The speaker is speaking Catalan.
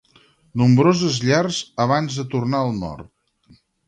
Les forces de Wei del Nord van saquejar nombroses llars abans de tornar al nord.